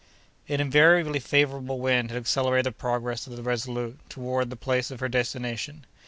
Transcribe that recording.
An invariably favorable wind had accelerated the progress of the Resolute toward the place of her destination.